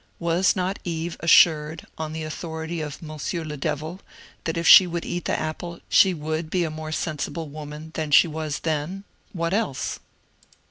Was not Eve as sured, on the authority of Monsieur le Devil, that if she would eat the apple she would be a more sensible woman than she was then — what else